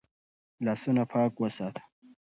لاسونه پاک وساته.